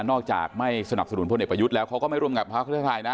นอกจากไม่สนับสนุนพลเอกประยุทธ์แล้วเขาก็ไม่ร่วมกับภาคเพื่อไทยนะ